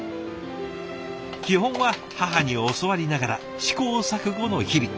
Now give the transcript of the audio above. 基本は母に教わりながら試行錯誤の日々。